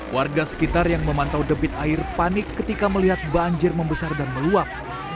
warga sekitar yang memantau debit air panik ketika melihat banjir membesar dan meluap